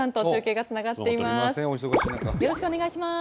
よろしくお願いします。